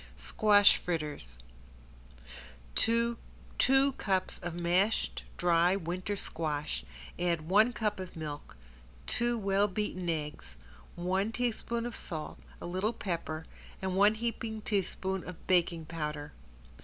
~SQUASH FRITTERS~ To two cups of mashed dry winter squash add one cup of milk, two well beaten eggs, one teaspoon of salt, a little pepper and one heaping teaspoon of baking powder.